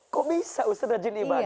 kok bisa ustaz rajin ibadah